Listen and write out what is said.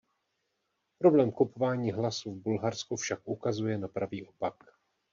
Problém kupování hlasů v Bulharsku však ukazuje na pravý opak.